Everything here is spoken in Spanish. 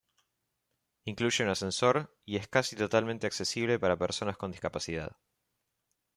Incluye un ascensor, y es casi totalmente accesible para personas con discapacidad.